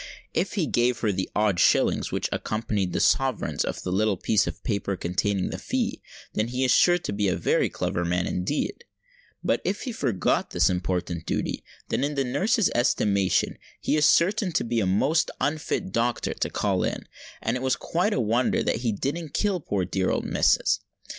If he gave her the odd shillings which accompanied the sovereigns in the little piece of paper containing the fee, then he is sure to be a very clever man indeed; but if he forgot this important duty, then in the nurse's estimation he is certain to be a most unfit doctor to call in; and "it was quite a wonder that he didn't kill poor dear missus."